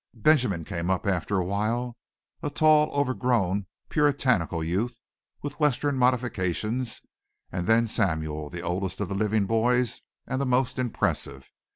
Benjamin came up after awhile, a tall, overgrown, puritanical youth, with western modifications and then Samuel, the oldest of the living boys and the most impressive.